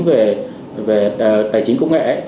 về tài chính công nghệ